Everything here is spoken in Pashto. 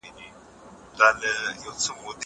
زه پرون مځکي ته ګورم وم!!